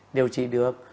điều trị được